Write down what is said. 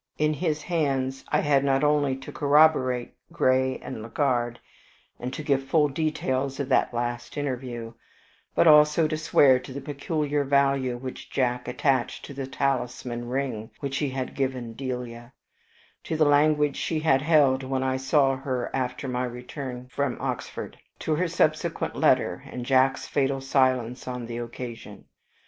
In his hands, I had not only to corroborate Grey and Legard, and to give full details of that last interview, but also to swear to the peculiar value which Jack attached to the talisman ring which he had given Delia; to the language she had held when I saw her after my return from Oxford; to her subsequent letter, and Jack's fatal silence on the occasion.